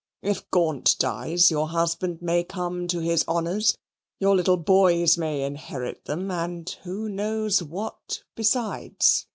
"If Gaunt dies, your husband may come to his honours; your little boys may inherit them, and who knows what besides?